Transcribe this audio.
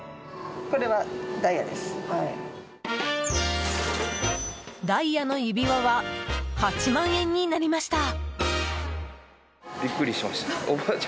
ダイヤの指輪は８万円になりました。